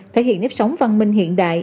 thể hiện nếp sống văn minh hiện đại